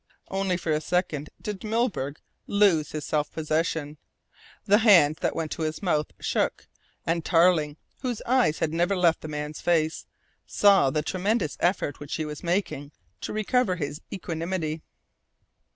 Only for a second did Milburgh lose his self possession. The hand that went to his mouth shook, and Tarling, whose eyes had never left the man's face, saw the tremendous effort which he was making to recover his equanimity.